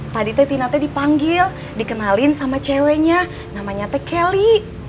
tadi saya tina saya dipanggil dikenalin sama ceweknya namanya saya kelly